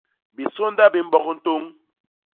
Bisônda bi mbok ntôñ.